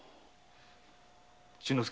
新之助